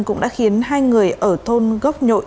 cũng đã khiến hai người ở thôn gốc nhội